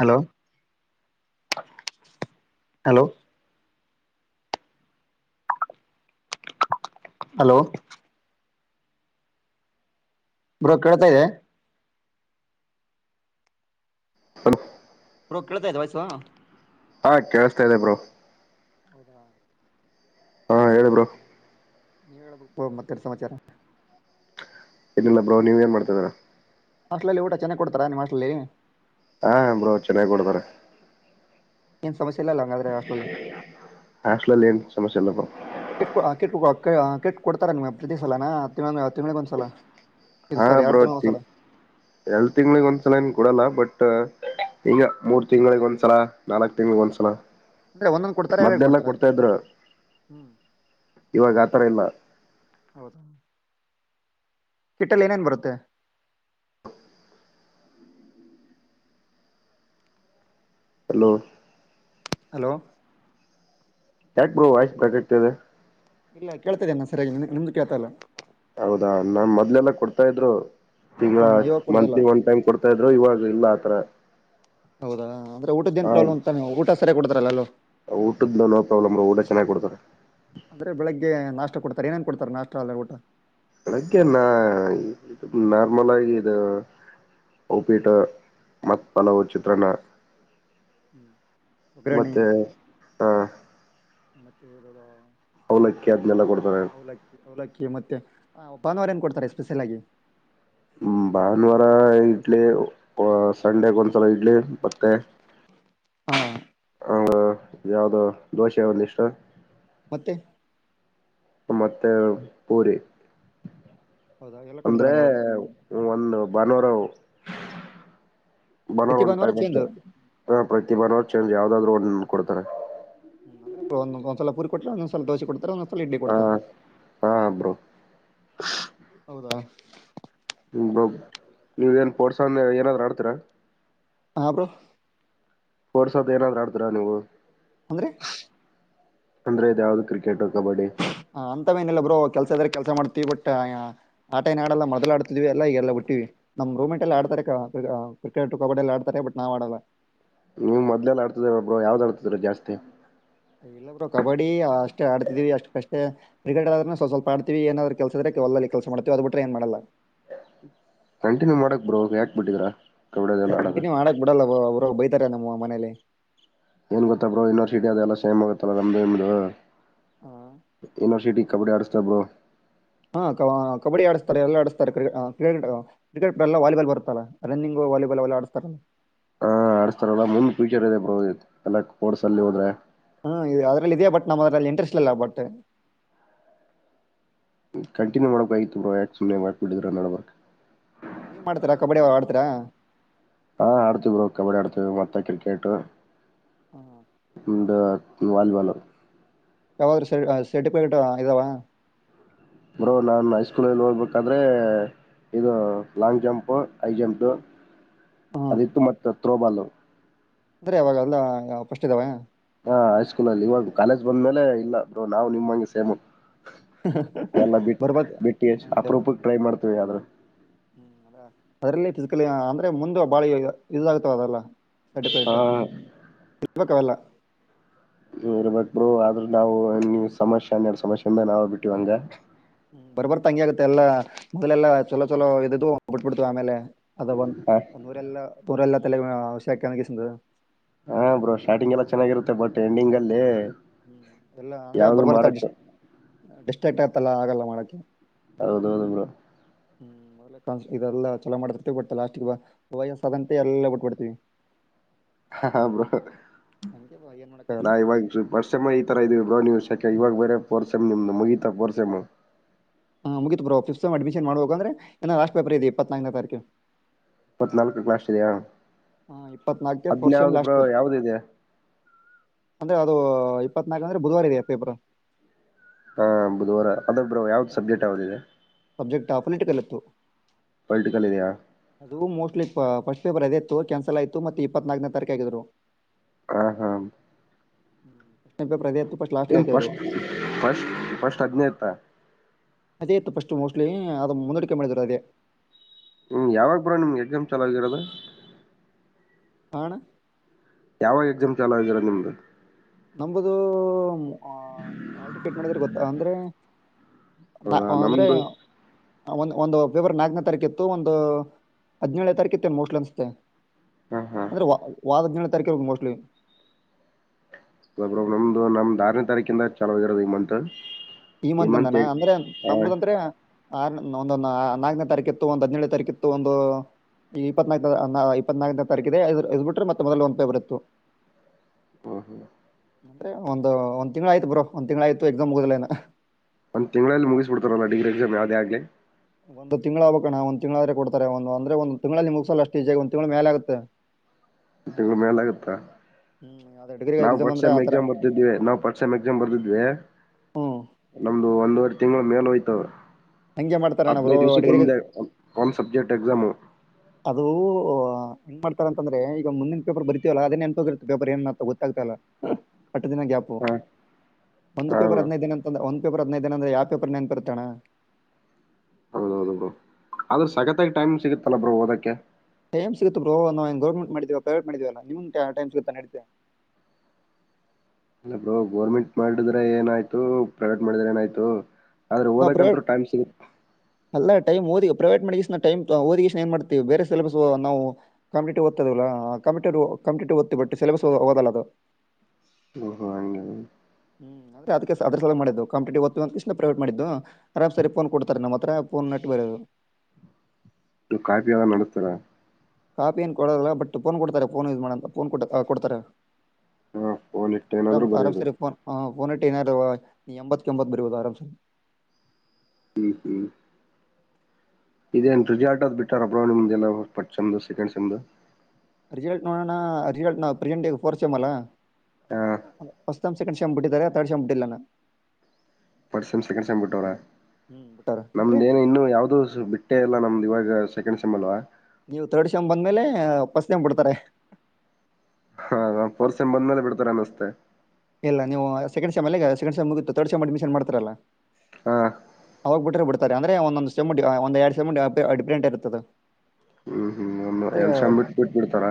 Hello hello hello bro ಕೇಳ್ತಾ ಇದೆ hello bro ಕೇಳ್ತಾ ಇದ ವಾಯಸ ಹಾ ಕೇಳಸ್ತಾ ಇದೆ ಬ್ರೋ ಹೌದಾ ಹಾ ಹೇಳಿ ಬ್ರೋ ನೀ ಹೇಳುಬೇಕು ಪಾ ಮತ್ತೆನ ಸಮಾಚಾರ ಏನಿಲ್ಲ ಬ್ರೋ ನೀವ್ ಏನ್ ಮಾಡ್ತದೀರಾ ಹಾಸ್ಟೆಲ್ಲಿ ಊಟ ಚೆನ್ನಾಗ್ ಕೊಡ್ತಾರ ನಿಮ್ಮ್ ಹಾಸ್ಟೆಲ್ಲಿ ಹಾ ಅ ಬ್ರೊ ಚೆನ್ನಾಗ್ ಕೊಡ್ತಾರೆ ಏನ್ ಸಮಸ್ಯೆ ಇಲ್ಲ ಅಲ್ಲ ಹಂಗಾದ್ರೆ ಆಷಟ್ಲಲ್ಲಿ ಹಾಸ್ಟ್ಲಲಿ ಲ್ಲಿ ಏನು ಸಮಸ್ಯ ಇಲ್ಲಪ್ಪ ಕೆಟ್ಟ ಕೊಡ್ತಾರ ನಿಮ್ಮ್ ಪ್ರತಿ ಸಲನಾ ತಿಂ ತಿಂಗ್ಳಿಗ್ ಒಂದ್ಸಲ ಇದು ಹಾ ಸರಿ ಎರಡ್ ತಿಂಗಳಿಗೆ ಬ್ರೋತಿ ಒಂದ್ಸಲ ಎಲ್ಡ್ ತಿಂಗಳಿಗೆ ಒಂದ್ಸಲ ಏನ್ ಕೊಡಲ್ಲ ಬಟ್ ಹಿಂಗ ಮೂರ್ ತಿಂಗಳಿಗೆ ಒಂದ್ಸಲ ನಾಲ್ಕ್ ತಿಂಗ್ಳಿಗೆ ಒಂದ್ಸಲ ಅಂದ್ರೆ ಒಂದೊಂದ್ ಕೊಡ್ತಾರ ಎರಡ್ ಮದ್ನೆಲ್ಲ ಕೊಡ್ತಾರ ಕೊಡ್ತಾ ಇದ್ರು ಹ್ಮ್ ಇವಾಗ ಅತರ ಇಲ್ಲ ಹೌದಾ ಕಿಟ್ಟಲ್ಲಿ ಏನೇನ್ ಬರುತ್ತೆ ಹಲ್ಲೋ ಹಲೋ ಯಾಕ್ ಬ್ರೋ ವಾಯ್ಸ್ ಬ್ರೇಕಗ್ತ ಇದೆ ಇಲ್ಲ ಕೇಳ್ತಿದ್ದೇ ನ ಸರಿಯಾಗಿ ನಿಮ್ದು ಕೇಳ್ತ ಇಲ್ಲ ಹೌದಾ ನಾ ಮೊದ್ಲೆಲ್ಲ ಕೊಡ್ತಾ ಇದ್ರು ಈಗ ಹ ಇವಾಗ ಕೊಡ್ದಲ್ಲ ಮಂತ್ಲಿ ಒನ್ ಟೈಮ್ ಕೊಡ್ತಾ ಇದ್ರು ಇವಾಗ ಇಲ್ಲ ಆತರ ಹೌದಾ ಅಂದ್ರೆ ಊಟದೇನ್ ಪ್ರಾಬ್ಲಮ್ ತಾನೆ ಊಟ ಸರೆ ಕೊಡತ್ರಲ್ಲಲ್ಲೋ ಊಟದನ ನೋ ಪ್ರಾಬ್ಲಮ್ ಊಟ ಚನ್ನಾಗ್ ಕೊಡ್ತಾರ ಅಂದ್ರೆ ಬೆಳಿಗ್ಗೆ ನಾಷ್ಟ ಕೊಡ್ತಾರೆ ಏನೇನ್ ಕೊಡ್ತಾರೆ ನಾಷ್ಟ ಅಲ್ಲ ಊಟ ಬೆಳಗ್ಗೆ ನಾ ನಾರ್ಮಲ್ ಆಗಿ ಇದು ಪಿಟ ಮತ್ತ ಪಲವು ಚಿತ್ರಣ ಹ್ಮ ಉಗ್ರಣ ಹ ಮತ್ತೆ ಇರೋದ ಅವಲಕ್ಕಿ ಅದನ್ನೆಲ್ಲ ಕೊಡ್ತಾರೆ ಅವಲಕ್ಕಿ ಅವಲಕ್ಕಿ ಮತ್ತೆ ಹಾ ಭಾನುವಾರ ಏನ್ ಕೊಡ್ತಾರೆ ಸ್ಪೆಷಲ್ ಆಗಿ ಹ್ಮ ಭಾನುವಾರ ಇಡ್ಲಿ ಸಂಡಗ ಒಂದ್ಸಲ ಇಡ್ಲಿ ಮತ್ತೆ ಹ್ಮ ಹಂಗ ಯಾವ್ದೋ ದೋಸೆ ಯಂದು ಇಷ್ಟ ಮತ್ತೆ ಮತ್ತೆ ಪೂರಿ ಹೌದಾ ಎಲ್ಲ ಕೊಡ್ತಾರೆ ಅಂದ್ರೆ ಹಂಗಾದ್ರೆ ಒಂದು ಬಾನುವಾರ [inaudible] ಬನೋ ಪ್ರತಿ ಒ್ ಭಾನುವಾರ ಟೈಮ್ ಚೇಂಜ್ ಅಷ್ಟೇ ಹ ಪ್ರತಿ ಬನವ ಚೇಂಜ್ ಯಾವ್ದಾದ್ರು ಒ ಕೊಡ್ತಾರೆ ಹ್ಮ ಅ್ರ ಒಂದ್ಸಲ ಪರಿ ಕೊ್ರ ಒಂದ್ಸಲ ದೋೆ ಕೊಡ್ತಾರೆ ಒಂದು ಲ ಇಡ್ಡಿ ಹ ಕೊಡ್ತವೆ ಹಾ ಬ್ರೋ ಹೌದಾ ಹ್ಞ ನೀವು ಏನು ಪಫೋರ್ಟ್ಸನ ಏನಾದರೂ ಆಡ್ತೀರಾ ಹಾ ಬ್ರೋ ಹೊೋರ್ಸದ ಏನಾದ್ರು ಆಡ್ತ್ರಾ ನೀವು ಅಂದ್ರೀ ಅಂದ್ರೆ ಇದದ ಯಾವ್ದು ಕ್ರಿಕೆಟ್ ಕಬಡ್ಡಿ ಹ ಅಂತ ಮೇನಿಲ್ಲ ಬ್ರೋ ಕೆಲಸ ಆದ್ರೆ ಕೆಲಸ ಮಾಡ್ತತಿೀವಿ ಬಟ್ ಆಟ ಏನ್ ಆಡಲ್ಲ ಮೊ್ಲ ಆಡ್ತಿದ್ವಿ ಎಲ್ಲ ಈಲ್ಲ ಹುಟ್ಟಿವವಿ ನಮ್ ರೂಮ್ೆಂಟ್ ಎಲ್ಲ ಆಡ್ತ ಕ್ರಿಕೆಟ್ ಕಬಡ್ಡಿ ಎಲ್ಲಿ ಆಡ್ತಾರೆ ಬಟ್ ನಾವ್ ಆಡಲ್ಲ ನೀವು ಮೊದ್ಲೆಲ್ ಆಡ್ತದರ ಒಬ್ರ ಯಾವ್ದ ಆಡ್ತರ ಜಾಸ್ತಿ ಇಲ್ಲಬ್ರು ಕಬಡ್ಡಿ ಅಷ್ಟೇ ಆಡ್ತೀವಿ ಅಷ್ಟ್ ಕಷ್ಟೇ ಕ್ರಿಕೆಟ್ ಆಡದ್ರೆ ಸ್ವ ಸ್ವಲ್ಪ ಆಡ್ತತಿವಿ ಏನಾದ್ರರು ಕೆಲಸದ್ರೆ ಒಲ್ಲಲ್ಲಿ ಕೆಲಸ ಮಾಡ್ತೀವಿ ಅದ್ ಬಿಿಟ್ರ ಏ ಮಾಡಲ್ಲ ಕಂಟಿನ್ಯೂ ಮಾಡಕ್ ಬ್ರೋ ಯಾಕ್ ಬಿಟ್ಟಿದರಾ ಕಂಟಿನ್ಯೂ ಮಾಡಾಕ್ ಬಿಡಲ್ಲ ಬೈತಾರೆ ನಮ್ಮ ಮನೇಲಿ ಏನ್ ಗೊತ್ತಬ್್ರೋ ಯೂನಿವರ್ಸಿಟಿ ಅದೆಲ್ಲ ಸೇಮ್ ಆಗುತ್ತತ್ತಲ್ಲ ನಮ್ದುಮ್ದು ಹಾ ಯನಿವರ್ಸಿಟಿ ಕಬಡಿ ಅಡಸ ಬ ಹಾ ಕ ಕಬಡ್ಡಿ ಆಡಸ್ತಾರೆ ಎಲ್ಲಾ ಆಡಸ್ತಾರೆ ಕ್ರ್ರಿಕಟ್ ಕ್ರಿಕೆಟ್ ಎಲ್ಲ ವಾಲಿಬಾಲ್ ಬರುತ್ತಲ್ಲ ರನ್ನಿಂಗ್ ವಾಲಿಬಾಲ್ ಎಲ್ಲ ಆಡಸ್ತಾರಲ್ಲ ಆಡ್ಸ್ತಾರಲ್ಲ ಮುಂದ ಫ್ಯೂಚರ್ ಇದೆ ಪ್ರೋ ಹ್ಮ್ ಅದ್ರಲ್ಲಿ ಇದೆಯ ಬಟ್ ನಮ್ಮ ಅದ್ರಲ್ಲಿ ಇಲ್ಲ ಬಟ್ಟೆ ಕಂಟಿನ್ಯೂ ಮಾಡಬೇಕಾಗಿತ್ತು ಬ್ರೋಾಕೆ ಸುಮ್ಮನೆ ಮಾಡಕ್ಬ ಬಿಟ್ಟಿದ್ರ ನಡಬಬೇಕಕ್ ಹ್ಮ ನೀವ್ ಮಾಡ್ತೀರಾ ಕಬಡ್ಡಿ ಆಡ್ತೀರಾ ಹಾ ಅತ ಬರೋ ಕಬಡಿ ಅತ ಮತ್ತೆ ಕ್ರಿಕೆಟ ಹ್ಮ್ ಹ್ಮ ವಬಲ್ ಯಾವಾದ್ರೂ ಸ ಸರ್ಟಿಫಿಕೇಟ್ ಇದಾವ ಬ್ರೋ ನಾನು ಐಸ್ಕೂಲಲ್ಲಿ ಹಓದ್ಬೇಕಾದ್ರೆ ಇದು ಲಾಂಗ್ ಜಂಪು ಹೈ ಜಂಪು ಹ್ಮ್ ಅದಿತ್ತು ಮತ್ತ ತ್ರೊಬಲು ಅಂದ್ರೆ ಅವಾವಾಗ ಎಲ್ಲ ಪಸ್ಟ್ ಇದಾವ ಹಾ ಹೈಸ್ಕೂಲ ಅಲ್ಲಿ ಇವಾಗ ಕಾಲೇಜ್ ಬಂದ್ಮೇಲೆ ಇಲ್ಲ ಬ್ರೋ ನಾವು ನಿಮಂಗೆ ಸೇಮು ಎಲ್ಲ ಬಿಟ್ಟ ಬರ್ಬೇಕು ಬಿಟ್ಟಿ ಹ್ಮ್ ಎಲ್ಲ- ಅಪರೂಪಕ್ಕೆ ಟ್ರೈ ಮಾಡ್ತೇವಿ ಆದ್ರೂ ಹ್ಮ್ ಅದ ಅದರಲ್ಲಿ ಫಿಸಿಕಲಿ ಅಂದ್ರೆ ಮುಂದ ಬಾಳಿ ಇದಾಗತಾವ ಅದಲ್ಲ ಹಾ ಅಟಪಟಾ ಇವ ಕವಲ್ಲ ಇರ್ಬೇಕಕ್ರು ಆದ್ರ ನಾವು ನೀ ಸಮಸ್ಯ ಹನ್ನೆರಡು ಸಮಸ್ಯೆಯಿಂದ ನಾವವು ಬಿಟ್ಟಿವಂಗ ಹ್ಮ್ ಬರ್ಬರ್ ತಂಗಿ ಆಗತ್ತೆ ಎಲ್ಲ ಮೊದಲೆಲ್ಲಾ ಚಲೋ ಚೊಲೋ ಇದದು ಬಿಟ್ಬಿಡ್ತು ಆಮೇಲೆ ಅದ ಒಂದು ಹ ಒಂದೂರೆಲ್ಲ ತೂರ ಅಲ್ಲಾಲ್ಲ ವಿಷಸ ಹಾ ಬ್ರೋ ಸ್ಟಾರ್ಟಿಂಗ್ ಎಲ್ಲ ಚೆನ್ನಾಗಿರುತ್ತೆ ಬಟ್ ಎಂಡಿಂಗ್ ಅಲ್ಲಿ ಹ್ಮ್ ಎಲ್ಲಾ ಅಂದ್ರೆ ಯಾವ್ದು ಬರ್ಬರ್ತಾ ಅ ಮಾಡಕ್ ಡಿಸ್ಟ್ರಾಕ್ಟ್ ಆಯತಲ್ಲ ಆಗಲ್ಲ ಮಾಡಕೆ ಹೌದೌದು ಬರೋ ಹ್ಮ್ ಮೊದಲಾನ್ ಇದೆಲ್ಲ ಚಲ ಮಾಡಡ್ತ ಲಾಸ್ಟಿಗೆ ವಯಸ್ಸಾದಂತೆ ಎಲ್ಲ ಬಿಟ್ಬಡ್ತೀವಿ ಹ ಬ್ರೋ ಏನ್ ನಾ ಮಾಡಕ್ಕಾಗಲ್ಲ ಇವಾಗ ವರ್ಷಮ ಈ ತರ ಇದ್ವಿ ಬ ನೀವು ಇವಾಗ ಬೇರೆ ಪೋರ್ಸೆಮ್ ನಿಮ್ದು ಮುಗಿತಾ ಪೋರ್ಸೆಮ್ ಹ ಮುಗೀು ಬ ಫ್ ಅಡ್ಮಿಷನ್ ಮಾಡ್ ಹ ಅಂದ್ರೆಏ ಲಾಸ್ಟ್ ಪೇಪರ್ ಇದೆಪ್ಪತ್ನಾಲ್ನೇ ತಾರೀು ಇಪ್ಪತ್ನಾಲ್ಕು ಕ್ಲಾಸ್ದೆ ಹಾ ಇಪ್ಪತ್ನಾಲ್ಕ ಫೋರ್ಮ್ ಲಾಸ್ ಯಾವ್ದಿದೆ ಪೇಪರ್ಂದೆ ಅದು ಇಪ್ಪತ್ನಾಲ್ಕ ಅಂದ್ರೆ ಬುಧವಾರ ಇದೆಯಾ ಪೇಪರ್ ಹಾ ಬುಧವಾರ ಅದೊ ಬ್ರೋ ಯಾವ್ದು ಸಬ್ಜೆಕ್ಟ್ ಯಾವದಿದೆ ಟಾಪೊಲಿಟಿಕಲ್ಲತ್ತು ಇದೆಯಾ ಅದು ಮೋಸ್ಟ್ಲಿ ಪ ಪಸ ಪೇಪರದೈತ್ತು ಕ್ಯಾನ್ಸಲ್ ಆಯಿತು ಮತ್ತ ಇಪ್ಪತ್ನಾಲ್ಕನೇ ತಾರಿಕ ಆಗರು ಹ ಹಾ ಹ್ಮ್ ಎನ್ ಫಸ್ಟ್ ಫಸ್ಟ್ ಫಸ್ಟ್ ಅಜ್ಞಾತ ಅದೇ ಇತ್ತು ಫಸ್ಟ್ ಮೋಸ್ಟ್ಲಿ ಅದು ಮುಂದಡಿಕೆ ಮಾಡಿದ್ರು ಅದೇ ಹ್ಮ್ ಯಾವಾಗ ಬ್ರೋ ನಿಮ್ಗೆ ಕ್ಸಾಮ್ ಚೆಲು ಆಗಿರೋದು ಆಣ ಯಾವಾಗ ಎಕ್ಸಾಮ್ ಚಲು ಆಗಿರೋದ ನಿಮ್ದು ನಂಬುದು ಆಟಿಕೆಟ್ ನೋಡಿದ್ರೆ ಗೊತ್ತಾ ಅಂದ್ರೆ ನಾ ಹೌದಾ ಅಂದ್ರೆ ನಮ್ದು ಒಂದ ಒಂದು ಫೆಬ್ರರ್ ನಾಲ್ಕನೇ ತಾರೀಕು ಇತ್ತು ಒಂದು ಹದಿನೇಳನೇ ತಾರೀಕು ಇತ್ತು ಮೋಸ್ಟ್ಲ್ ಅನ್ಸುತ್ತೆ ಹಾ ಹಾ ಅಂದ್ರೆ ವಾಗದ ದಿನ ತಾರಿಕ ಮೋಸ್ಟ್ಲಿ ಒ ನಮ್ದು ನಮ್ದು ಆರನೇ ತಾರೀಕಿಂದ ಚಲಾಗಿರೋ ಈ ಮತ್ ಈ ಮಂದಾನ ಅಂದ್ರೆ ನಂಬದಂದ್ರೆ ಆ ಒಂದು ನಾಲ್ಕನೇ ತಾರೀಕು ಇತ್ತು ಒಂದ್ ಹದ್ನೇಳನೇ ತಾರೀಕು ಇತ್ತು ಒಂದು ಇಪ್ಪತ್ನಾಲ್ಕ ಇಪ್ಪತ್ನಾಕನೇ ತಾರೀಕ ಇದೆ ಇದ್ ಬಿಟ್ರೆ ಮತ್ತೆ ಮೊದಲ ಒಂದ ಪೇಪರ್ ಇತ್ತು ಬರ್ ಇತ್ತು ಅಂದ್ರೆ ಒಂದು ಒಂದ್ ತಿಂಗ್ಳ ಆಯ್ತು ಬರೋ ಒಂದ್ ತಿಂಗ್ಳ ಆಯ್ತು ಎಕ್ಸಾಮ್ ಮೂಗದಿಲ್ಲ ಒಂದ್ಂಗಳಲ್ಲಿ ಮುಗಿಸ್ಬಡ್ತಾರಲ್ಲ ಡಿಗ್ರಿ ಎಕ್ಸಾಮ್ ಯಾವುದೇ ಆಗ್ಲಿ ಒಂದು ತಿಂಗಳು ಹಾಕಬೇಕಣ್ಣ ಒಂದ್ ತಿಂಳ ಆದ್ರೆ ಕೊಡ್ತಾರೆ ಒಂದು ಅಂದ್ರೆ ಒಂದ ತಿಂಗಳಲ್ಲಿಲ್ಲಿ ಮುಗಸಲ್ಲ ಅಷ್ಟು ಈಜಿ ಒಂದ್ ತಿಂಗಳ ಮೇಲೆ ಆಗುತ್ತೆ ತಿಂಗಳು ಮೇಲ್ ಆಗುತ್ತಾ ಹ್ಮ್ ಅದೇ ಡಿಗ್ರಿ ನಾವು ಎಕ್ಸಾಮ್ ಫಸ್ಟ್ ಅಂದ್ರೆ ಸೆಮ್ ಆತರ ಎಕ್ಸಾಮ್ ಬರ್ದಿದ್ವೆ ನಾವು ಫಸ್ಟ್ ಸೆಮ್ ಎಕ್ಸಾಮ್ ಬರ್ದಿದವಿ ಹ್ಮ್ ಒಂದು ಒಂದವರೆ ತಿಂಗಳ ಮೇಲೆ ಹೋಯ್ತವ್ರ ಹಂಗೆ ಮಾಡ್ತಾರೆ ಅಣ್ಣ ಬ್ರೋ ಹಾದಿನಾದು ದಿವಸಕ್ಕೆ ಡಿಗ್ರಿ ಕೊ ಒಂದ ಸಬ್ಜೆಕ್ಟ್ ಎಕ್ಸಾಮ್ ಅದು ಹೆಏನ್ ಮಾಡ್ತಾರಂತಂದ್ರೆ ಈಗ ಮುಂದಿನ ಪೇಪರ್ ಬರ್ತೀವಲ್ಲ ಅದನ್ನ ನೆನ್ಪೋಗಿರುತ್ತೆ ಪೇಪರ್ ಏನ್ತ ಗೊತ್ತಾಗ್ತಲ್ಲ ಹತ್ತು ದಿನ ಗ್ಯಾಪು ಹ ಒಂದು ಹಾ ಪೇಪರ್ ಬ್ರೋ ಹದಿನೈದು ದಿನ ಒಂದ್ ಪೇಪರ್ ಹೈದಿನೈದದಿನಅಂದ್ರೆ ಯಾವ ಪೇಪರ್ ನೆನ್ಪಿರ್ತಣ ಆದ್ರ ಸಗತ್ತಾಗಿ ಟೈಮ್ ಸಿಗುತ್ತೆ ಲ ಬ್ರೋ ಓದಕ್ಕೆ ಟೈಮ್ ಸಿಗುತ್ತತ್ ಬ್ರೋ ನಾ ಗೌರ್ಮೆಂಟ್ ಮಾಡಿದೀವ ಪ್ರೈವೇಟ್ ಮಾಡಿದೀವಲ್ಲ ನಿಮ ಟೈಮ್ ಸಿಗುತ್ತ ನಡತೆೆ ಇಲ್ಲ ಬ್ರೋ ಗೋರ್ಮೆಂಟ್ ಮಾಡಿದ್ರೆ ಏನಾಯ್ತು ಪ್ರೈವೇಟ್ ಮಾಡಿದ್ರೆ ಏನಾಯ್ತು ಆದ್ರೆ ಓದಕ್ಕಂತೂ [unintelligible] ಟೈಮ್ ಸಿಗುತ್ತೆ. ಎಲ್ಲ ಟೈಮ ಮೋದ ಪ್ರೈವೇಟ್ ಮೇ ಮ್ ಓದಿ ಏ ಮಾಡತ ಬೇರೆ ಸಿಲೆಸ್ ನಾವು ಕಂಟಿವ್ಓದ್ತದಂ ಕಂ ಓ ಬಟ್ ಸಿಲೆಸ್ಓದಲ್ಲ ಅದು ಹ ಹಾಗ ಹ್ಮ್ ಅ್ರ ಅದಕ್ಕೆ ಅದ್ರ ಸಲ ಮಾಡಿದ್ದವು ಕ್ಯಾಂಪೈದಿತ್ ಇ ಪ್ರೈವೇಟ್ ಮಾಡಿದ್ದು ಆರಾಮ್ಸರಿ ಫೋನ್ ಕೊಡ್ತಾರೆ ನಮ್ಮ ಹತ್ರ ಫೋನ್ ನಟ್ಟ ಬರೋದು ಇ ಕಾಫಿ ಎಲ್ಲ ನಡಸ್ತಾರ ಕಾಪಿ ಏನ್ ಕೊಡೋದಿಲ್ಲ ಬಟ್ ಫೋನ್ ಕೊಡ್ತಾರೆ ಫೋನ್ ಯೂಸ್ ಮಾಡಂತ ಫೋನ್ ಕೊ ಕೊಡ್ತಾರೆ ಹಾ ಫೋನ್ ಆರಾಮ ಇಟ್ಟೇನಾದ್ರೂ ಆರಾಮ್ ಬರೆಯೋದು. ಸರಿ ಹ ಪನಟನ ನೀ ಎಂಬತ್ ಎಂಬತ್ ಬರಬದು ಆರಾಮ್ಸ ಹ್ಮ್ ಹ್ಮ್ ಇದೇನ್ ರಿಸಜಲ್ಟ್ ಅದ್ ಬಿಟ್ಟಾರಬ್ರ ನಿಮ್ದಲ್ಲ ಫಟ್ ಮ್ ಸೆಕಂಡ್ ಚೆಮ್ದ ರಿಸಲ್ಟ್ ನೋಡ ರಿಸಲ್ಟ್ ನಾ ಪ್ರೆಸೆಂಟ್ಫೋರ್ಚ್ಮ್ಮಲ್ಲಾ ಹಾ [unintelligible] ಫಸ್ಟ್ ಸೇಮ್ ಸೆಕಂಡ್ ಶಮ್ ಬಿಟ್ಟಿದಿದ್ದಾರೆಾರೆ ಆಥರ್ಡ್ ಶಮ್ ಬಿಟ್ಟಿಲ್ಲಾನ ಪರಿಶಂಸಕೊಂಡ ಸಂಮ ಬಿಟ್ಟೋರಾ ಬಿಟ್ಟಾರ ಅಂದ್ರೆ ನಮ್ದೇನ ಇನ್ನು ಯಾವ್ದು ಬಿಟ್ಟ ಷ್ಟ ಅಲ್ಲ ನಮ್ದ ಇವಾಗ ಸೆಕೆಂಡ್ ಸೆಮ ಅಲ್ವಾ ನೀವು ದೊಡ್ ಶಮ ಬಂದ್ಮೇಲೆ ಉಪಸ್ನೆ ಬಿಡ್ತಾರೆ ಹ ಪರ್ಸೆಮ್ ಬಂದ ಮೇಲೆ ಬಿಡ್ತಾರೆ ಅನ್ನಸ್ೆ ಇಲ್ಲ ನೀವು ಸೆಕಂಡ್ ಸೆಮ ಎಲ್ಲ ಸೆಕಂಡ್ ಸೆ್ ಮುಗರ್ಡ್ ಸೆಮ್ ಅಡ್ಮಿಷನ್ ಮಾಡತಾರಲ್ಲ ಹಾ ಅವಾಗ್ ಬಿಿಟ್ರೆ ಬಿಡ ಅಂದ್ರೆ ಒಂದೊಂದಂದು ಸೆಮುಂಡಿ ಒಂದ ಎರಡ್ ಸಮುಂಡಿ ಅಡ್ಪ್ರಂಟ ಇರ್ತದೆ ಅಂದ್ರೆ ಎಲ್ ಶ ಬಿಟ್ಟ ಬಿಟ್ಟ ಬಿಡ್ತಾರ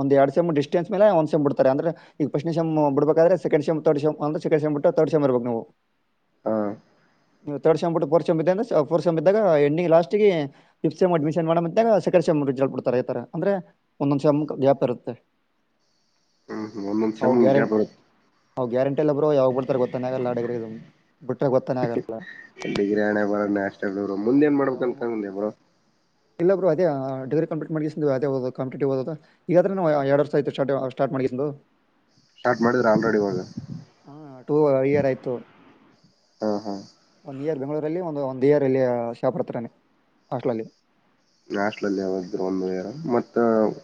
ಒಂದು ಎರಡು ಸಮ್ ಿಸ್ಟೆನ್ಸ್ ಮೇಲೆ ಒಂದು ಸೆ್ ಬಿಡ್ತಾರೆ ಅಂದರೆ ಈಗ ಫಸ್ಟ್ ಸೆಮ್ ಬಿಡ್ಬೇಕಾದ್ರೆ ಸೆಕಂಡ್ೆಮ್ ತರ್ಡ್್ ಅಂದೆ ಸೆಕೆ್ೆಮ್ ಬಿಟ್ಟ ತರ್ಡ್ ಸಮ್ರ್ಬೇಕು ನೀಾವು ಹಾ ನೀವು ತರ್ಡ್ ಸೆ್ ಬಿಟ್ಟ ಫೋರ್ ಸ್್ರೆ ಫೋರ್ ಸೆ್ ಇದ್ದಾಗ ಎಣ್ಣ ಲಾಸ್ಟ್ ಫಫ ಸೆಮ್ ಅಡ್ಮಿಶನ್ ಮಾಡಾಗ ಸೆಕಂಡ್ೆಮ್ಿಸಲ್ಡ್ತಾರೆತ ಅಂದೆ ಒಂದೊಂದುೆಮ್ ಗ್ಯಾಪ್ ಇರುತ್ತೆ ಒಂದುಸ ಮುಡ್ಯಾ ಬತ್ ಹ ಗ್ಯಾರಂಿ ಬ್ರು ಯಾವ್ ಬತಾರ ಗೊತ್ತಾಗಲ್ಲಾಡಗ ಡಿಗ್ರಿ ಹಣೆ ಬರ ಅಷ್ಟರು ಮುಂದೆ ಏನ್ ಮಾಡ್ಬೇಕ ಯಾವಾಗ ಅಂತಕಂದಬರು ಇಲ್ಲ ಬರು ಅದೇ ಡಿಗ್ರಿ ಕಂಪ್ಲೀಟ್ ಮಾಡಿಿಸ್ ಅದೇ ಹದು ಕಂಪಿಟಿವ್ ಹದದು ಈಗಾದ್ರೆನು ಎರಡ್ ವರ್ಷ ಆಯತು್ಟಾರ್ಟ ಸ್ಟಾರ್ಟ್ ಮಾಡಸವು ಸ್ಟಾರ್ಟ್ ಮಾಡಿದ್ರ ಆಲ್ರೆಡಿ ಇವಾಗ ಟು ಇಯರ್ ಆಯ್ತು ಹಾ ಹಾ ಒಂದು ಇಯರ್ ಬೆಂಗ್ಳ ಇದರಲ್ಲಿ ಒಂದು ಒಂದ್ ಇಯರ್ ಅಲ್ಲಿ ಶಾಪ್ ಇರ್ತ ಹಸ್ಟಲ್ ಅಲ್ಲಿ ನಾಸ್ಟ್ಲಲ್ಲಿ ಯಾವ್ರು ಒಂದುಾರ ಹ್ಮ್ ಮತ್ತ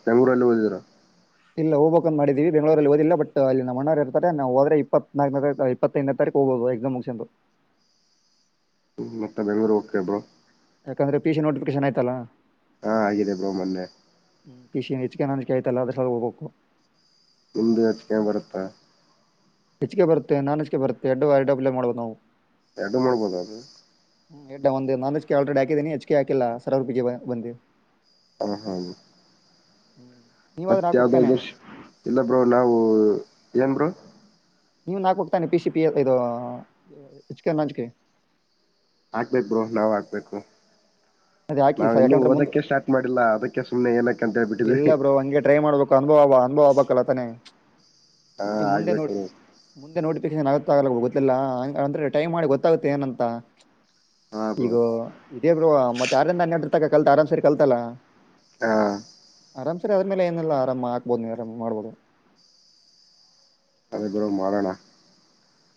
ತೆಂಗೂರಲ್ಲಿ ಓದರ ಹ ಇಲ್ಲ ಹೋಗ್ಬೇಕಕ್ಂತ್ ಮಾಡಿದೀವಿ ಬೆಂಗಳೂರಲ್ಲಿ ಓದಿಲ್ಲ ಬಟ್ ಅಲ್ಲಿ ನಮ್ಮ ಅಣ್ಣಾರ ಇರ್ತಾರೆ ನಾವು ಹೋದ್ರೆ ಇಪ್ಪತ್ನಾಲ್ಕನೇ ಇಪ್ಪತ್ತತ್ೈದನೇ ತಾರೀಕು ಹೋಗಬಹುದು ಎಕ್ಸಾಮ್ ಮುಷನ್ ಹ್ಮ್ ಮತ್ತ ಬೆಂಗ್ೂರು ಓಕ ಎಬ್ಳೋ ಯಾಕಂದ್ರೆ ಪಿ ಸಿ ನಟಿಿಕೇಶನ್ ಆಯ್ತಲ್ಲಾ ಹಾ ಆಿದೆ ಬ್ರೋ ಮೊನ್ನೆ ಕಷಚಿಕ ನ ಅನಿಕೆ ಆಯತಲ್ಲ ಅದ್ರೊಳಗೆ ಹೋಗ್ಬೇಕು ನಿ್ದ ಯೋಚಿಕೆ ಬರುತ್ತಾ ಹೆಚ್ಚಿಗೆ ಬರುತ್ತೆ ನಾನ್ ಹೆಚ್ಗೆ ಬರುತ್ತೆ ಎಡ್ಡು ಎಡ್ ಅಪ್ಲೈ ಮಾಡ್ ಬೇಕ್ ನಾವು ಎಡ್ದು ಮಾಡ್ಬೋದ ಅದು ಹ್ಮ ಎಡ್ ಒಂದು ನಾನ್ [unintelligible] ಆಲ್ರೆಡಿ ಹಾಕಿದಿನಿ, ಎಚ್ ಕೆ ಹಾಕಿಲ್ಲ ಸರ್ವರ್ ಬಿಸಿ ಬ ಬಂದಿ. ಹ ಹಾ ಹ್ಮ್ ಮತ್ ನೀವಾದ್ರೆ ಯಾವ್ದೋ ಹಾಕೋಗ್ತಾನೆ ದುಶ್ ಇಲ್ಲ ಬ್ರೋ ನಾವು ಏನ್ ಬ್ರೋ ನೀವುನ್ ಹಾಕ್ಬೇಕ್ ತಾನೆ ಪಿ ಸಿ ಪಿ ಎ ಇದೂ [unintelligible] ಲಾಂಚ್ಗೆ ಹಾಕ್ಬೇಕ್ ಬ್ರೋ ನಾವ್ ಹಾಕ್ಬೇಕು ಅದ್ ಹಾಕಿ ನಾವ್ ಸ. ಇನ್ನು ಯಾಕಂದ್ರೆ ಮುಂದ್ ಓದಕ್ಕೆ ಸ್ಟಾರ್ಟ್ ಮಾಡಿಲ್ಲ ಅದಕ್ಕೆ ಸುಮ್ನೆ ಏನಕ್ಕೆ ಅಂತ ಹೇಳ್ಬಿಟ್ಟಿದ್ವಿ ಇಲ್ಲ ಬ್ರೋ ಹಂಗೆ ಟ್ರೈ ಮಾಡ್ಬೇಕು, ಅನುಭವ್ ಆ ಅನುಭವ ಆಗ್ಬಬೇಕಲ್ಲ ತಾನೆ ಹಾ ಆಗ್ಬೇಕ್ ಬ್ರೋ ಆಗೇನ್ ಆಗುತ್ತೋ ಆಗಲ್ಲೊ ಗೊತ್ತಿಲ್ಲ ಅಂದ್ರೆ ಟೈಮಾಡಿ ಗೊತ್ತಾಗುತ್ತೆ ಏನಂತ ಹಾ ಬ್ರೋ ಈಗೋ ಇದೇ ಬ್ರೊ ಮತ್ತೆ ಆರಿಂದ ಹನ್ನೆರ್ಡರ್ ತ ಕಲ್ತ್ ಆರಾಮ ಸರಿ ಕಲ್ತಲ್ಲ. ಹಾ ಆರಾಮ್ ಸರಿ ಅದ್ರ್ ಮೇಲೆ ಏನಿಲ್ಲ ಆರಾಮ್ ಆಕ್ಬೋದ್ ನೀ ಆರಾಮಗ್ ಮಾಡ್ಬೋದು. ಅದೆ ಬ್ರೋ ಮಾಡಣ.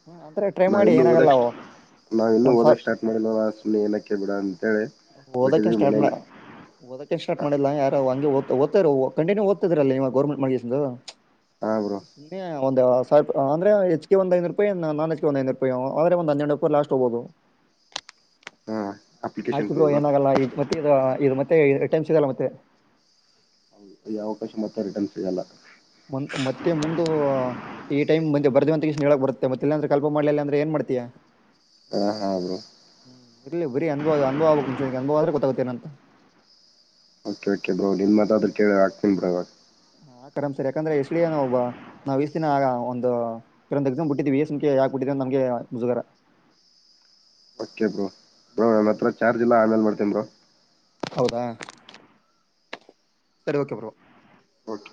ಹ್ಮ್, ಅಂದ್ರೆ ಟ್ರೈ ನಾವ್ ಮಾಡಿ ಇನ್ನು ಏನಾಗಲ್ಲ ಓದಕ್ ಸ್ಟ್ ಅವು ನಾವ್ ಇನ್ನು ಒಂದ್ ಓದಕ್ ಸ್ಟಾರ್ಟ್ ಮಾಡಿಲ್ಲವಲ್ಲ ಸುಮ್ನೆ ಏನಕ್ಕೆ ಬಿಡ ಅ ಓದಕ್ಕೇನ್ ಸ್ಟಾರ್ಟ್ ಬ್ಲ ಓದಕ್ಕೆ ಸ್ಟಾರ್ಟ್ ಮಾಡಿಲ್ಲಾ ಯಾರು ಹಂಗೆ ಓದ್ ಓದ್ತಿರು ಕಂಟನ್ಯೂ ಓದ್ತಿದ್ರಲ್ಲ ಇವಗ್ ಗೌರ್ಮೆಂಟ್ ಮಳ್ಗೆಸಿಂದು, ಹಾ ಬ್ರೋ ಸುಮ್ನೆ ಒಂದ ಸಾವ್ರ್ ಅಂದ್ರೆ ಹೆಚ್ಗೆ ಒಂದ್ ಐನುರೂಪಾಯಿ ನಾನ್ ಹೆಚ್ ಗೆ ಒಂದ್ ಐನುರೂಪಾಯು ಹೊದ್ರೆ ಒಂದ್ ಹನ್ನೆರಡ್ [unintelligible] ಲಾಸ್ಟ್ ಹೋಗ್ಬೋದು. ಹಾ ಅಪ್ಲಿಕೇಶನ್ ಫೀ ಹಾಕಿಬ್ರೋ ಬ್ರೋ ಏನಾಗಲ್ಲ ಇದ್ ಮತ್ತೆ ಇದ ಇದ್ ಮತ್ತೆ ಟೈಮ್ ಸಿಗಲ್ಲ ಮತ್ತೆ ಹೌದು ಈ ಅವಕಾಶ ಮತ್ತೆ ರಿಟರ್ನ್ ಸಿಗಲ್ಲ. ಬಂತ್ ಮತ್ತೆ ಮುಂದು ಈ ಟೈಮ್ ಬಂದೆ ಬರ್ದ ಅಂತ [unintelligible] ಹೇಳಕ್ ಬರುತ್ತೆ ಮತ್ತಿಲ್ಲ ಅಂದ್ರೆ ಕಾಲ್ಫರ್ ಮಾಡ್ಲಿಲ್ಲ ಅಂದ್ರೆ ಏನ್ ಮಾಡ್ತಿಯಾ. ಹ ಹಾ ಬ್ರೋ ಇಲ್ಲಿ ಬರೀ ಅನುಭವ ಅನುಭವ ಆಗ್ಬೇಕ್ ಮುಂಚೆ ನಿಂಗ್ ಅನುಭವ ಆದ್ರೆ ಗೊತ್ತಾಗುತ್ತೆ ಏನಂತ. ಓಕೆ ಓಕೆ ಬ್ರೋ ನಿಮ್ ಮಾತಾದ್ರು ಕೇಳಿ ಆಕ್ತಿನ್ ಬ್ರೊ ಇವಾಗ. ಹಾಕ್ ಆರಾಮ್ಸೆ ಯಾಕಂದ್ರೆ ಎಸ್ ಡಿ ಎ ಓನೆ ಒಬ್ಬ ನಾವ್ ಇಸ್ ದಿನ ಒಂದು ಇನ್ನೊಂದ್ ಎಕ್ಸಾಮ್ ಬಿಟ್ಟಿದ್ವಿ ಇ ಎಸ್ ಎಂ ಕೆ ಯಾಕ್ ಬಿಟ್ಟಿದ್ವಿ ಅಂತ ನಮ್ಗೆ ಮುಜುಗರ. ಓಕೆ ಬ್ರೋ ಬ್ರೋ ನನ್ ಹ್ಮ್, ಹತ್ರ ಚಾರ್ಜ್ ಇಲ್ಲ ಆಮೇಲೆ ಮಾಡ್ತ್ ತಿನ್ ಬ್ರೋ. ಹೌದಾ ಸರಿ ಓಕೆ ಬ್ರೋ. ಓಕೆ